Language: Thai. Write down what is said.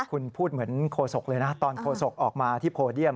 คุณพูดเหมือนโฆษกเลยนะตอนโฆษกออกมาที่โพเดียม